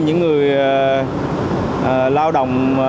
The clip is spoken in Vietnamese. những người lao động